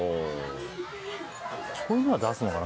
こういうのは出すのかな？